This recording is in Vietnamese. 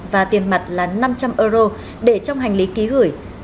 và tiền mặt là năm trăm linh euro để trong hành lý ký gửi